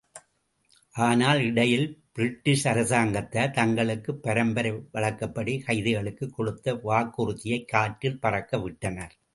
ஆனால் இடையில் பிரிட்டிஷ் அரசாங்கத்தார் தங்களுடைய பரம்பரை வழக்கப்படி கைதிகளுக்குக் கொடுத்த வாக்குறுதியைக் காற்றில் பறக்கவிட்டனர்.